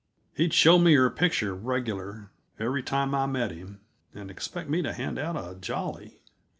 He'd show me her picture regular, every time I met him, and expect me to hand out a jolly.